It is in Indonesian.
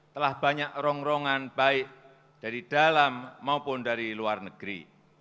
telah banyak rongrongan baik dari dalam maupun dari luar negeri